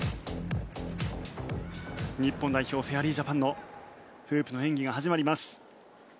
日本代表、フェアリージャパンのフープの演技が始まります。